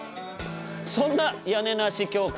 そんな屋根なし教会